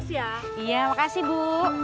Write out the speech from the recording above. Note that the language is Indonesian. iya makasih bu